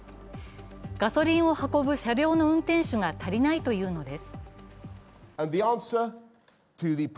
ガソリンを運ぶ車両の運転手が足りないというのです。